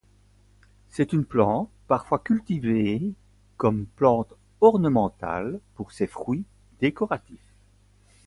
C'est une plante parfois cultivée comme plante ornementale pour ses fruits décoratifs.